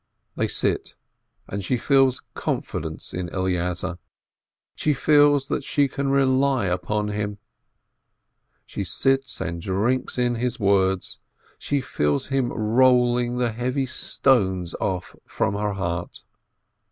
They sit, and she feels confidence in Eleazar, she feels that she can rely upon him. She sits and drinks in his words, she feels him rolling the heavy stones from off her heart.